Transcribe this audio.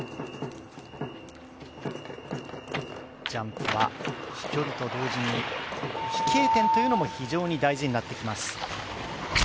ジャンプは飛距離と同時に飛型点というのも非常に大事になってきます。